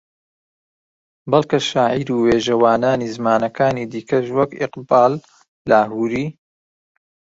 بەڵکە شاعیر و وێژەوانانی زمانەکانی دیکەش وەک ئیقباڵ لاھووری